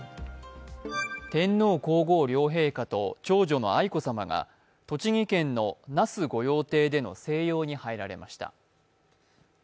天皇皇后両陛下と長女の愛子さまが栃木県の那須御用邸での静養に入られました。